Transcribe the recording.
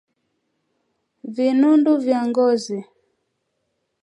vinundu vya ngozi